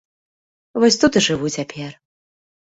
Вось тут і жыву цяпер.